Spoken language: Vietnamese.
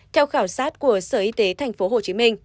theo khảo sát của sở y tế tp hcm